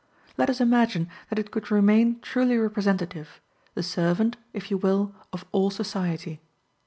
Let us imagine that it could remain truly representative, the servant if you will of all society.